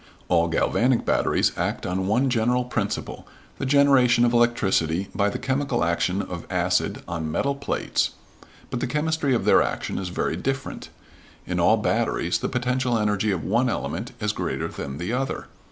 All galvanic batteries act on one general principle the generation of electricity by the chemical action of acid on metal plates; but the chemistry of their action is very different. In all batteries the potential energy of one element is greater than the other.